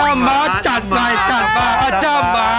จำบาจ่ำบาจ่ำบา